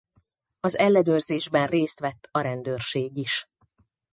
Az ellenőrzésben részt vett a rendőrség is.